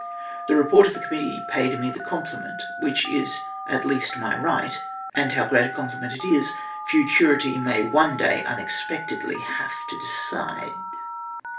The repcjrt of the committee paid me the compli ment which is at least my right, and how great a com pliment it is, futurity may one day imexpectedly have to decide.